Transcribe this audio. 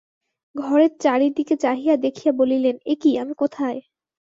ঘরের চারি দিকে চাহিয়া দেখিয়া বলিলেন, এ কী, আমি কোথায়?